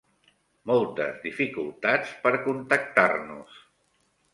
Moltes dificultats per contactar-nos.